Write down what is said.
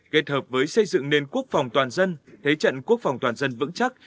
kết hợp với xây dựng nền quốc phòng toàn dân thế trận quốc phòng toàn dân vững chắc